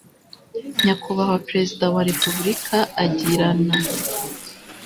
nyakubahwa perezida wa repubulika agirana